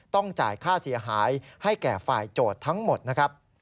ต้องจ่ายค่าเสียหายให้แก่ฝ่ายโจทย์ทั้งหมดนะครับ